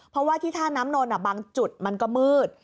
เพราะว่าที่ท่าน้ำนนท์บางจุดมันก็มืด